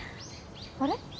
あれ？